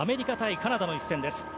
カナダの一戦です。